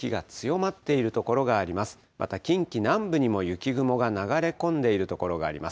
また近畿南部にも雪雲が流れ込んでいる所があります。